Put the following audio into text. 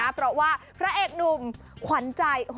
เพราะว่าพระเอกหนุ่มขวัญใจ